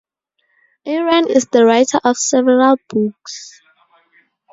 Aren is the writer of several books.